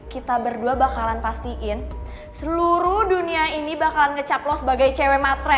kita berdua bakalan pastiin seluruh dunia ini bakalan ngecap lo sebagai cewe matre